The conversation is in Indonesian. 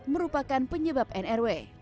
merupakan penyebab nrw